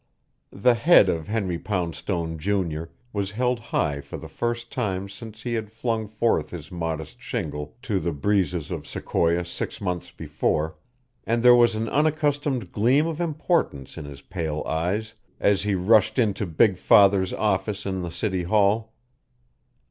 The head of Henry Poundstone, Junior, was held high for the first time since he had flung forth his modest shingle to the breezes of Sequoia six months before, and there was an unaccustomed gleam of importance in his pale eyes as he rushed into big father's office in the city hall.